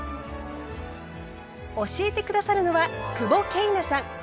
教えて下さるのは久保桂奈さん。